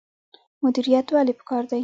مدیریت ولې پکار دی؟